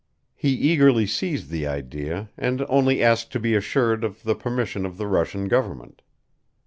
He eagerly seized the idea, and only asked to be assured of the permission of the Russian government."